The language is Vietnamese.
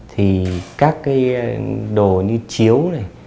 thì các cái đồ như chiếu này